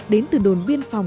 đến từ đồn biên phòng